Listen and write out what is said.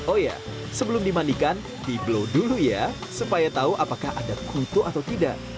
oh ya sebelum dimandikan di blow dulu ya supaya tahu apakah ada kutu atau tidak